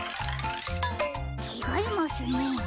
ちがいますね。